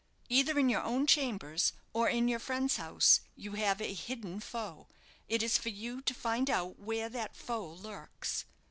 Either in your own chambers, or in your friend's house, you have a hidden foe. It is for you to find out where that foe lurks."